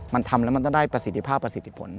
มันทำแล้วมันต้องได้ประสิทธิภาพประสิทธิผล